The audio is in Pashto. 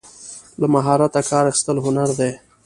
له مهارته کار اخیستل هنر دی.